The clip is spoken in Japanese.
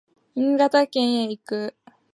新潟県へ行く